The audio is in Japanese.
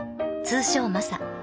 通称マサ。